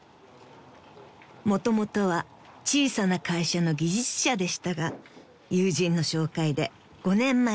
［もともとは小さな会社の技術者でしたが友人の紹介で５年前に転職］